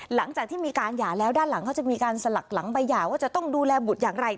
หลังจากที่มีการหย่าแล้วด้านหลังเขาจะมีการสลักหลังใบหย่าว่าจะต้องดูแลบุตรอย่างไร